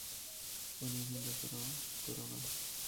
ও নিয়ে চিন্তা করো কোরো না।